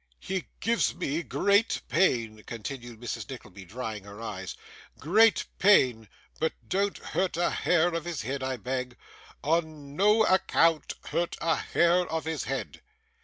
'He gives me great pain,' continued Mrs. Nickleby, drying her eyes, 'great pain; but don't hurt a hair of his head, I beg. On no account hurt a hair of his head.